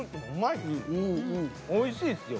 おいしいっすよ。